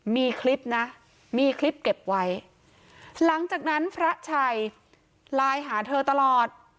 มีคลิปนะมีคลิปเก็บไว้หลังจากนั้นพระชัยไลน์หาเธอตลอด